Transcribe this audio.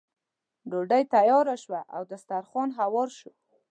ډوډۍ تیاره شوه او دسترخوان هوار شو.